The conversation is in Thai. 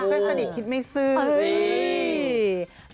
เพื่อนสนิทคิดไม่สืบ